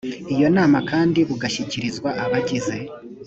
iyo nama kandi bugashyikirizwa abagize